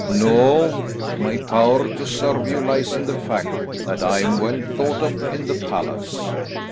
"No. My power to serve you lies in the fact that I am well thought of in the palace.